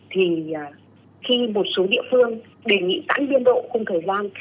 thì khi một số địa phương đề nghị tẵng biên độ không thời gian